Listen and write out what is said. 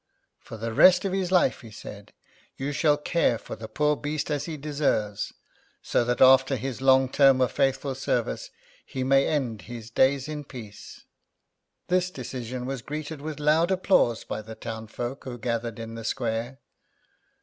"For the rest of his life," he said, "you shall care for the poor beast as he deserves, so that after his long term of faithful service he may end his days in peace." This decision was greeted with loud applause by the town folk, who gathered in the square.